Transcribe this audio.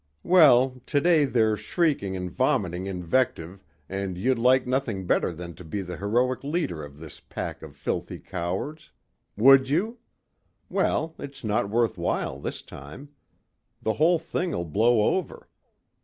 "Well, today they're shrieking and vomiting invective and you'd like nothing better than to be the heroic leader of this pack of filthy cowards. Would you? Well, it's not worth while this time. The whole thing'll blow over.